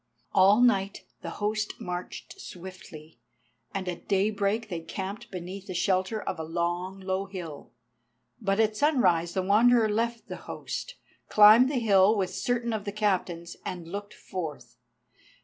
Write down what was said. All night the host marched swiftly, and at day break they camped beneath the shelter of a long, low hill. But at the sunrise the Wanderer left the host, climbed the hill with certain of the Captains, and looked forth.